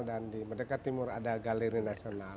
dan di merdeka timur ada galeri nasional